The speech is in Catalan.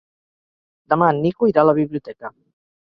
Demà en Nico irà a la biblioteca.